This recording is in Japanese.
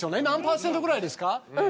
何％ぐらいですか？